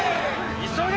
急げ！